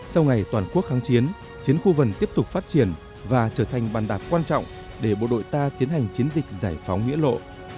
sau ngày toàn quốc kháng chiến chiến khu vần tiếp tục phát triển và trở thành bàn đạp quan trọng để bộ đội ta tiến hành chiến dịch giải phóng nghĩa lộ